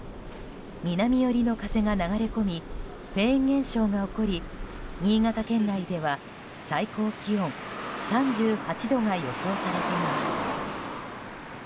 南寄りの風が流れ込みフェーン現象が起こり新潟県内では最高気温３８度が予想されています。